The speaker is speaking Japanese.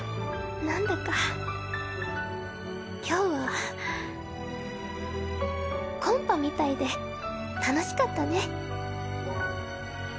なんだか今日はコンパみたいで楽しかったね。